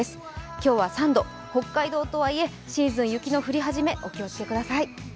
今日は３度、北海道とはいえシーズン雪の降り始め、お気を付けください。